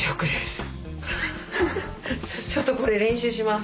ちょっとこれ練習します。